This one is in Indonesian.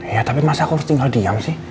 iya tapi masa aku harus tinggal diam sih